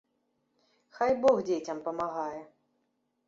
Хай бог дзецям памагае!